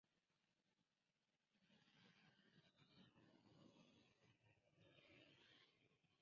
Por esa razón no existen datos demográficos de la población por sí misma.